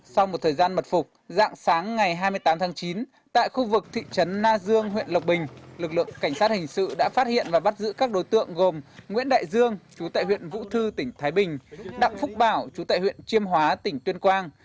sau một thời gian mật phục dạng sáng ngày hai mươi tám tháng chín tại khu vực thị trấn na dương huyện lộc bình lực lượng cảnh sát hình sự đã phát hiện và bắt giữ các đối tượng gồm nguyễn đại dương chú tại huyện vũ thư tỉnh thái bình đặng phúc bảo chú tại huyện chiêm hóa tỉnh tuyên quang